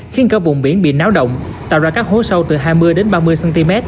khiến cả vùng biển bị náo động tạo ra các hố sâu từ hai mươi ba mươi cm